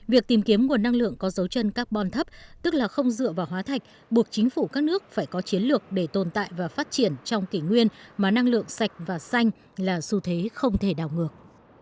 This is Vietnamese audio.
việc tìm kiếm nguồn năng lượng có dấu chân carbon thấp tức là không dựa vào hóa thạch và xanh là xu thế không thể đào ngược